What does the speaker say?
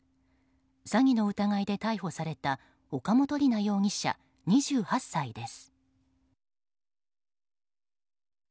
詐欺の疑いで逮捕された岡本璃奈容疑者、２８歳です。